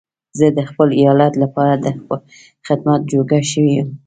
زه د خپل ايالت لپاره د خدمت جوګه شوی يم.